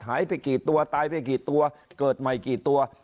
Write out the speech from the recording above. หายไปกี่ตัวตายไปกี่ตัวเกิดใหม่กี่ตัว